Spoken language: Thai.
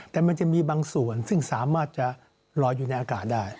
แต่มันจะมีบางส่วนซึ่งสามารถจะลอยอยู่ในอากาศได้